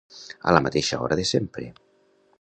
A la mateixa hora de sempre.